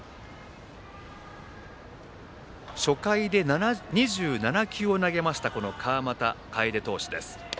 初回で２７球を投げました川又楓投手です。